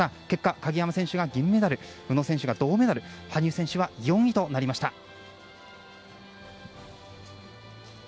結果、鍵山選手が銀メダル宇野選手が銅メダル羽生選手は４位となりました。